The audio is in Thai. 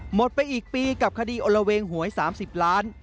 หมดไปอีกปีกับคดีโอละเวงหวย๓๐ล้าน